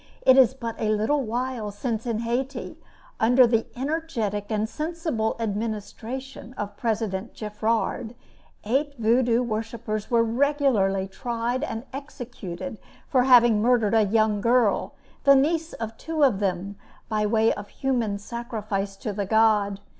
It is but a little while since in Hayti, under the energetic and sensible administration of President Geffrard, eight Vaudoux worshipers were regularly tried and executed for having murdered a young girl, the niece of two of them, by way of human sacrifice to the god.